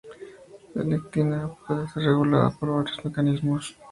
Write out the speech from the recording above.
La L-Selectina puede ser regulada por varios mecanismos.